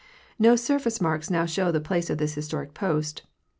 No surface marks now show the place of this historic post.